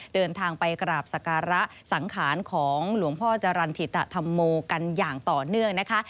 เดินทางไปกราบสการะสังขารของหลวงพ่อจรรย์ถิตธรรมโมกันอย่างต่อเนื่องนะคะ